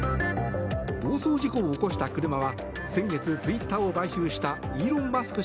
暴走事故を起こした車は先月、ツイッターを買収したイーロン・マスク